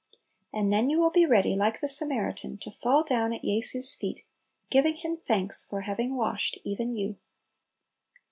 And then you will be ready, like the Samaritan, to fall down at Jesu's feet, "giving Him thanks " for having washed even you.